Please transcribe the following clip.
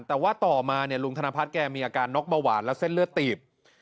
แต่ว่าต่อมาเนี่ยลุงธนพัฒน์แกมีอาการน็อกเบาหวานและเส้นเลือดตีบ